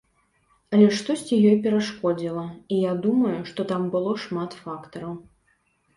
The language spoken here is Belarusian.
Але штосьці ёй перашкодзіла, і я думаю, што там было шмат фактараў.